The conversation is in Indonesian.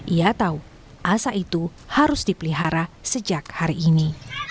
ia tahu asa itu harus dipelihara sejak hari ini